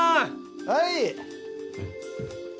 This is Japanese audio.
はい。